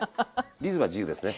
リズムは自由ですね。